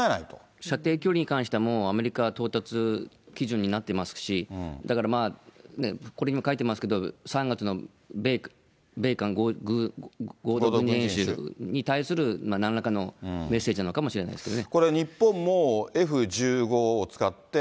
射程距離に関してはもう、アメリカは到達基準になってますし、だから、まあ、ね、これにも書いてますけど、３月の米韓合同軍事演習に対する、なんらかのメッセージなのかもしれないですけどね。